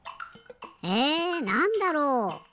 えなんだろう？